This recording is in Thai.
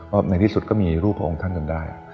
ก็ในที่สุดก็มีรูปพระองค์ท่านจนได้